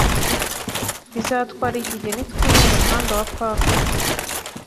Bizatwara igihe nitwirinda umuhanda wa Park